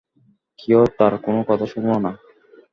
কেউ তার কোনো কথা শুনল না।